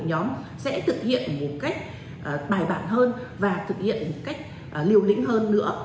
các đối tượng sẽ có thể thực hiện một cách bàn bạc hơn thực hiện một cách liều lĩnh hơn